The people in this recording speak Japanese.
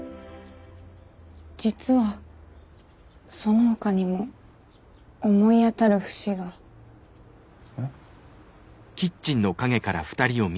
実はそのほかにも思い当たる節が。え？